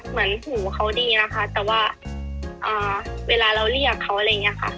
เหมือนหูเขาดีนะคะแต่ว่าเวลาเราเรียกเขาอะไรอย่างนี้ค่ะ